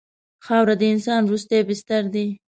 خاوره د انسان وروستی بستر دی.